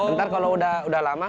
ntar kalau udah lama